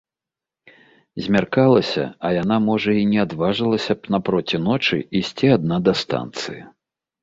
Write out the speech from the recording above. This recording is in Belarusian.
Змяркалася, а яна, можа, і не адважылася б напроці ночы ісці адна да станцыі.